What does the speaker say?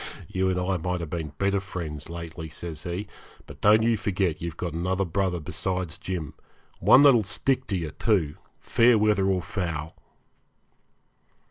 'You and I might have been better friends lately,' says he; 'but don't you forget you've got another brother besides Jim one that will stick to you, too, fair weather or foul.'